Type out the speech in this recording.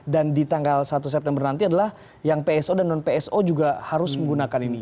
dan di tanggal satu september nanti adalah yang pso dan non pso juga harus menggunakan ini